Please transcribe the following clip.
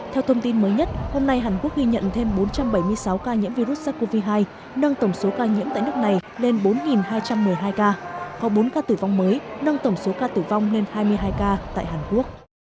theo thông tin mới nhất hôm nay hàn quốc ghi nhận thêm bốn trăm bảy mươi sáu ca nhiễm virus sars cov hai nâng tổng số ca nhiễm tại nước này lên bốn hai trăm một mươi hai ca có bốn ca tử vong mới nâng tổng số ca tử vong lên hai mươi hai ca tại hàn quốc